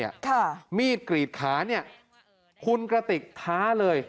ค่ะมีดกรีดค้าคุณกระติกท้าเลย